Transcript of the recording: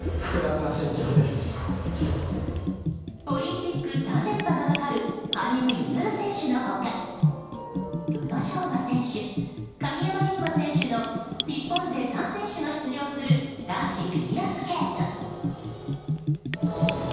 オリンピック３連覇がかかる羽生結弦選手の他宇野昌磨選手、鍵山優真選手の日本勢３選手が出場する男子フィギュアスケート。